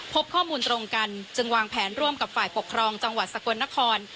พบข้อมูลตรงกันจึงวางแผนร่วมกับฝ่ายปกครองจังหวัดสกลนคร